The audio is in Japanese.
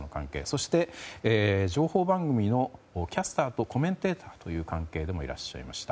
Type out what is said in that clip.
そして、情報番組のキャスターとコメンテーターという関係でもいらっしゃいました。